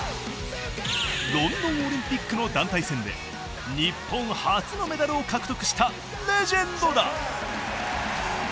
ロンドンオリンピックの団体戦で日本初のメダルを獲得したレジェンドだ！